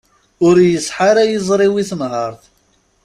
Ur iṣeḥḥa ara yiẓri-w i tenhert.